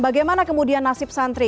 bagaimana kemudian nasib santri